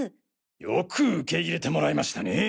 よく受け入れてもらえましたね。